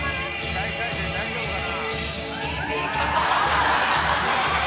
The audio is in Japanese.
大回転大丈夫かな？